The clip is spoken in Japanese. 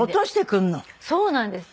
そうなんです。